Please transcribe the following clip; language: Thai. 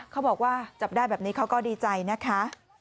เขาบอกว่าจับได้แบบนี้เขาก็ดีใจนะคะ